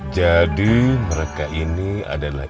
jadi mereka ini adalah